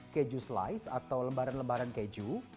keju slice atau lembaran lembaran keju